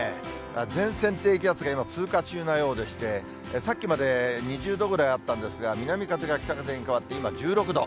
前線、低気圧が今、通過中のようでして、さっきまで２０度ぐらいあったんですが、南風が北風に変わって、今１６度。